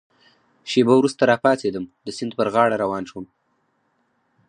شېبه وروسته را پاڅېدم، د سیند پر غاړه روان شوم.